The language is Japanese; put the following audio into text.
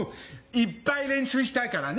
いっぱい練習したからね！